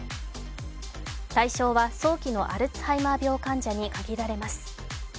対象は、早期のアルツハイマー病患者に限られます。